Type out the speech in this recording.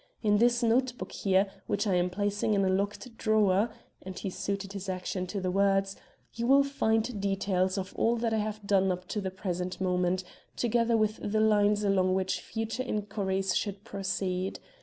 In this note book here, which I am placing in a locked drawer" and he suited his action to the words "you will find details of all that I have done up to the present moment, together with the lines along which future inquiries should proceed.